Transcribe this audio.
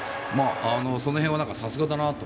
その辺はさすがだなと。